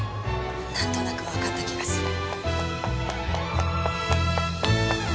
なんとなくわかった気がする。